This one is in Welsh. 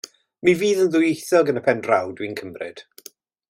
Mi fydd yn ddwyieithog yn y pen draw, dw i'n cymryd?